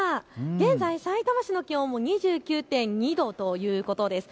現在、さいたま市の気温、２９．２度ということです。